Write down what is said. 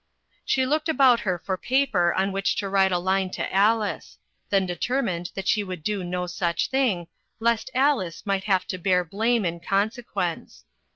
She looked about her for paper on which to write a line to Alice ; then determined that she would do no such thing, lest Alice might have to bear blame in consequence.